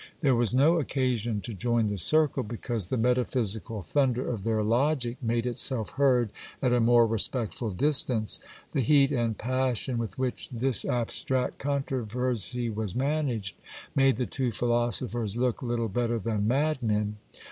There was no occasion to join the circle, because the metaphysical thunder of their logic made itself heard at a more respectful distance : the heat and passion with which this abstract contro versy was managed made the two philosophers look little better than madmen.